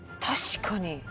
確かに。